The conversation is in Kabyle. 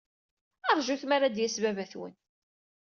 Ṛjut mi ara d-yas baba-twen.